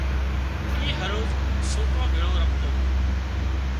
اي هروز سوڪران ڀيۯو رمتو